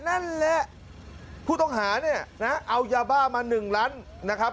นั่นแหละผู้ต้องหาเนี่ยนะเอายาบ้ามา๑ล้านนะครับ